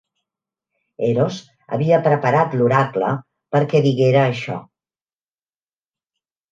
Eros havia preparat l'oracle perquè diguera això.